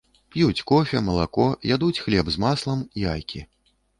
П'юць кофе, малако, ядуць хлеб з маслам, яйкі.